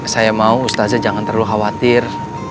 saya mau ustaz jangan terlalu khawatir